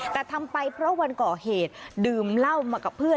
แต่ทำไปเพราะวันก่อเหตุดื่มเหล้ามากับเพื่อน